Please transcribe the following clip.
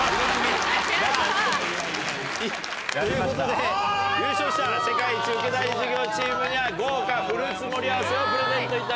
やった！ということで優勝した「世界一受けたい授業チーム」には豪華フルーツ盛り合わせをプレゼントいたします。